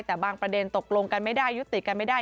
แต่บางประเด็นตกลงกันไม่ได้ยุติกันไม่ได้